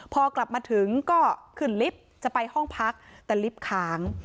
พอกลับมาถึงก็ขึ้นลิฟต์จะไปห้องพักแต่ลิฟต์ค้าง